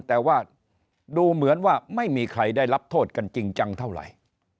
แต่ว่าดูเหมือนว่าไม่มีใครได้รับโทษกันจริงจังเท่าไหร่